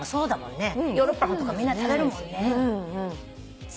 ヨーロッパのみんな食べるもんね。